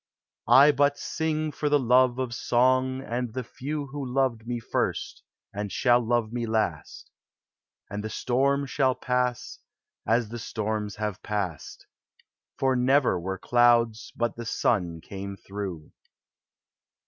I but sing for the love of song and the few Who loved me first and shall love me last ; And the storm shall pass as the storms have passed, For never were clouds but the sun came through.